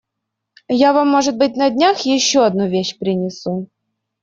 Я вам может быть, на днях, еще одну вещь принесу.